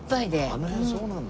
あの辺そうなんだ。